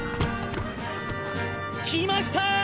「来ましたー！！